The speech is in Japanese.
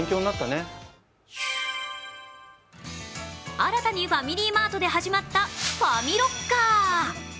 新たにファミリーマートで始まったファミロッカー。